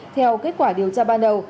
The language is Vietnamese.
theo kết quả điều tra ban đầu